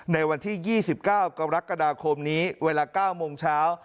ในวันที่๒๙กรกฎาคมนี้เวลา๙โมงเช้า